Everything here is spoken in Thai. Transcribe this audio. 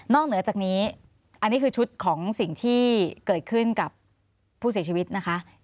เหนือจากนี้อันนี้คือชุดของสิ่งที่เกิดขึ้นกับผู้เสียชีวิตนะคะ